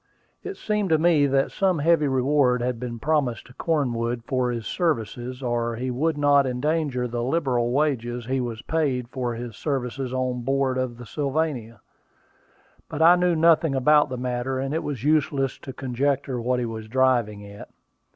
It seemed to me that some heavy reward had been promised to Cornwood for his services, or he would not endanger the liberal wages he was paid for his services on board of the Sylvania. But I knew nothing about the matter, and it was useless to conjecture what he was driving at.